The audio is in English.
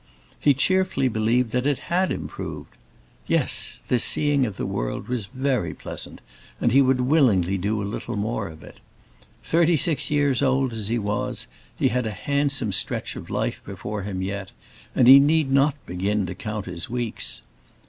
He cheerfully believed that it had improved. Yes, this seeing of the world was very pleasant, and he would willingly do a little more of it. Thirty six years old as he was, he had a handsome stretch of life before him yet, and he need not begin to count his weeks.